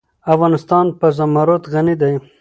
افغانستان په زمرد غني دی.